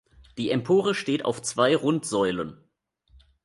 Die Empore steht auf zwei Rundsäulen.